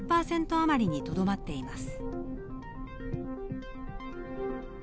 あまりにとどまっています。